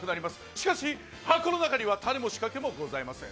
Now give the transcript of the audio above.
しかし、箱の中にはタネも仕掛けもございません。